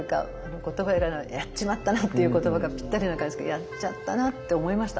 言葉やっちまったなっていう言葉がぴったりな感じですけどやっちゃったなって思いました。